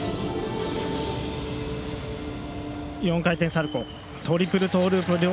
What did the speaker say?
４回転サルコートリプルトーループ。